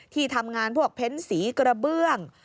ที่ทำงานพวกเพ้นสีกระเบื้อง